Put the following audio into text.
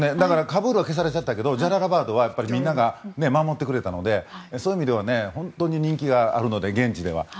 カブールは消されちゃったけどジャララバードはみんなが守ってくれて本当に人気があるので現地では。